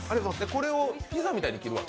これをピザみたいに切るわけ？